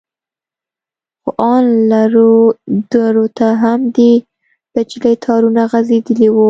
خو ان لرو درو ته هم د بجلي تارونه غځېدلي وو.